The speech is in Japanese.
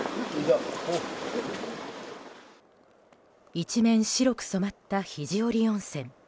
一面白く染まった肘折温泉。